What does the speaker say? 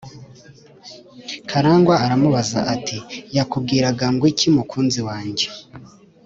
karangwa aramubaza ati: “yakubwiraga ngo iki mukunzi wange?”